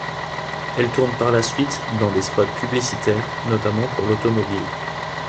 Elle tourne par la suite dans des spots publicitaires notamment pour l'automobile.